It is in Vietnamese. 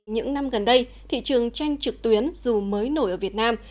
những năm gần đây thị trường tranh trực tuyến dù mới nổi ở việt nam